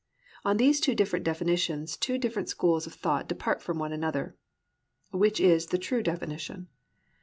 On these two different definitions two different schools of thought depart from one another. Which is the true definition?